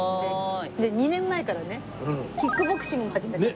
２年前からねキックボクシングも始めた。